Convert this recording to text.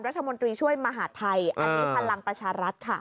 รัฐมนตรีช่วยมหาดไทยอันนี้พลังประชารัฐค่ะ